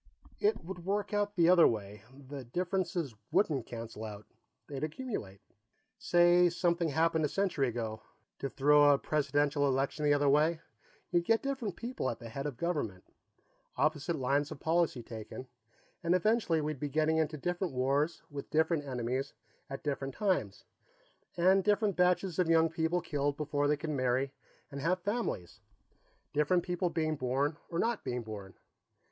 "It would work out the other way. The differences wouldn't cancel out; they'd accumulate. Say something happened a century ago, to throw a presidential election the other way. You'd get different people at the head of the government, opposite lines of policy taken, and eventually we'd be getting into different wars with different enemies at different times, and different batches of young men killed before they could marry and have families different people being born or not being born.